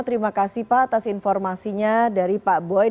terima kasih pak atas informasinya dari pak boy